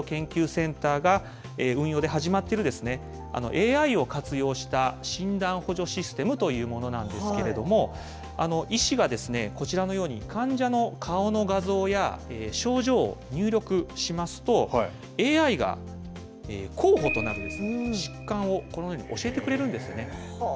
それが国立成育医療研究センターが運用で始まっている、ＡＩを活用した診断補助システムというものなんですけれども、医師がこちらのように、患者の顔の画像や症状を入力しますと、ＡＩが候補となる疾患をこのように教えてくれるんですよね。